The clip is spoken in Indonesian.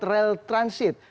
yang memiliki jalan lrt